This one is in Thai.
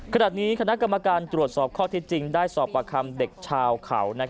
ขณะนี้คณะกรรมการตรวจสอบข้อที่จริงได้สอบประคำเด็กชาวเขา